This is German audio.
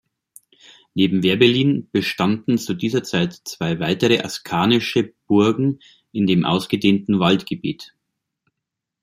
Neben Werbellin bestanden zu dieser Zeit zwei weitere askanische Burgen in dem ausgedehnten Waldgebiet.